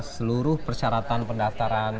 seluruh persyaratan pendaftaran